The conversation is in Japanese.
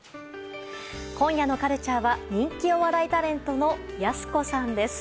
今夜のカルチャーは人気お笑いタレントのやす子さんです。